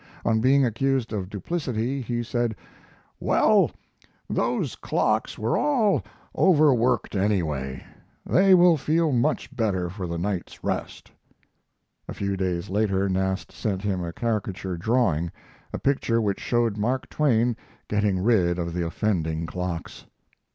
On being accused of duplicity he said: "Well, those clocks were all overworked, anyway. They will feel much better for a night's rest." A few days later Nast sent him a caricature drawing a picture which showed Mark Twain getting rid of the offending clocks.